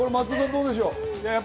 どうでしょう？